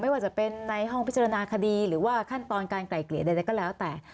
ว่าจะเป็นในห้องพิจารณาคดีหรือว่าขั้นตอนการไกล่เกลี่ยใดก็แล้วแต่